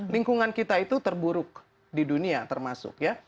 lingkungan kita itu terburuk di dunia termasuk ya